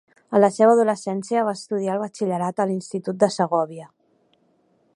En la seva adolescència va estudiar el batxillerat a l'Institut de Segòvia.